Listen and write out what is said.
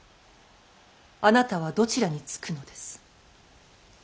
あなたはどちらにつくのです。